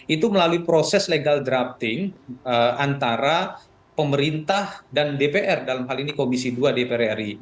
itu melalui proses legal drafting antara pemerintah dan dpr dalam hal ini komisi dua dpr ri